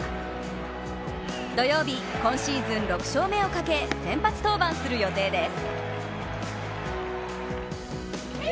土曜日、今シーズン６勝目をかけ先発登板する予定です。